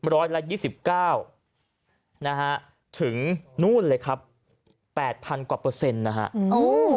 ร้อยละ๒๙ถึง๘๐๐๐กว่าเปอร์เซ็นต์นะครับ